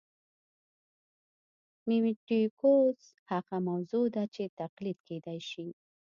میمیټیکوس هغه موضوع ده چې تقلید کېدای شي